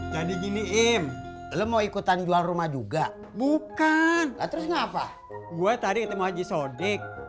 jadi gini im lemo ikutan jual rumah juga bukan atas ngapa gue tadi itu haji sodik